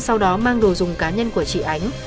sau đó mang đồ dùng cá nhân của chị ánh